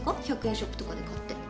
１００円ショップとかで買って。